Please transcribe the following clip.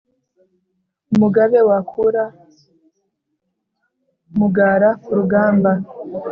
umugabe wakura mugara ku rugamba,